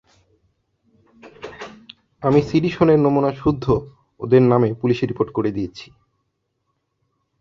আমি সিডিশনের নমুনা সুদ্ধ ওদের নামে পুলিসে রিপোর্ট করে দিয়েছি।